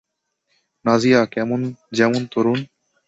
নাজিয়া যেমন তরুন?